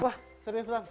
wah serius bang